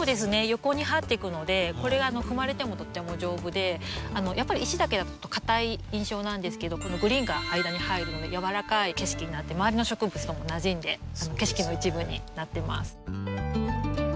横にはってくのでこれ踏まれてもとっても丈夫でやっぱり石だけだとかたい印象なんですけどこのグリーンが間に入るのでやわらかい景色になって周りの植物ともなじんで景色の一部になってます。